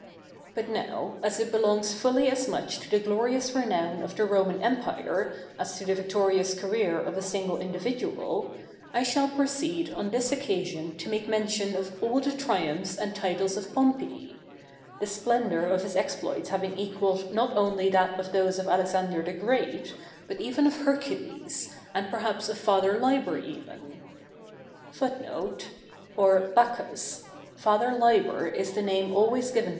But now, as it belongs fully as much to the glorious renown of the Roman Empire, as to the victorious career of a single individual, I shall proceed on this occasion to make mention of all the triumphs and titles of Pompey: the splendor of his exploits having equalled not only that of those of Alexander the Great, but even of Hercules, and perhaps of Father Liber even.